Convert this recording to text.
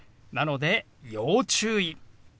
なので要注意。